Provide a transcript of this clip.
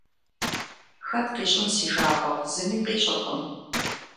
Хэт къищӏын си жагъуэ зыми къищӏыркъым.